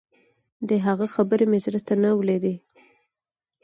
د هغه خبرې مې زړه ته نه لوېدې.